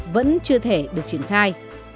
vẫn chưa thể được triển khai